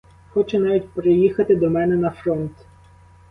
Хоче навіть приїхати до мене на фронт.